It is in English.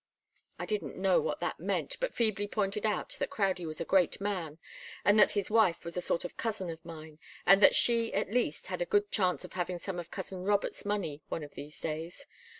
I didn't know what that meant, but feebly pointed out that Crowdie was a great man, and that his wife was a sort of cousin of mine, and that she, at least, had a good chance of having some of cousin Robert's money one of these days.